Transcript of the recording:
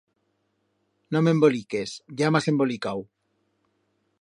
No m'emboliques, ya m'has embolicau.